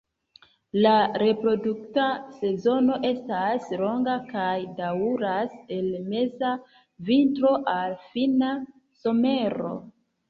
La reprodukta sezono estas longa, kaj daŭras el meza vintro al fina somero.